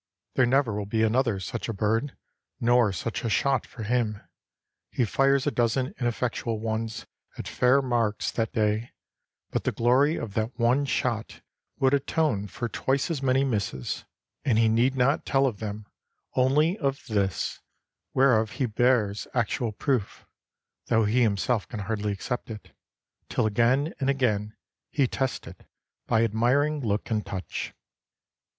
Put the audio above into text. There never will be another such a bird, nor such a shot, for him. He fires a dozen ineffectual ones at fair marks that day, but the glory of that one shot would atone for twice as many misses, and he need not tell of them, only of this, whereof he bears actual proof, though he himself can hardly accept it, till again and again he tests it by admiring look and touch.